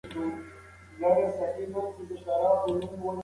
پوهان وایي چې نیت د هر عمل اساس دی.